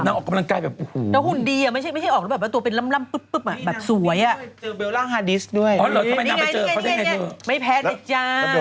นางออกกำลังกายแบบโอ้โห